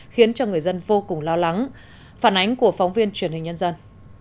khiến cho người dân vô cùng lo lắng phản ánh của phóng viên truyền hình nhân dân